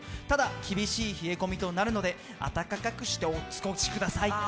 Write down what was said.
ただ、厳しい冷え込みとなるのであたたかくして、お過ごしください